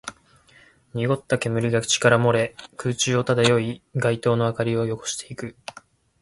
濁った煙が口から漏れ、空中を漂い、街灯の明かりを汚していく